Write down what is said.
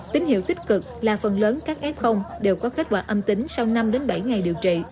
tín hiệu tích cực là phần lớn các f đều có kết quả âm tính sau năm bảy ngày điều trị